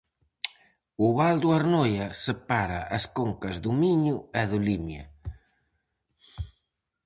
O val do Arnoia separa as concas do Miño e do Limia.